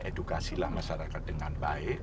edukasilah masyarakat dengan baik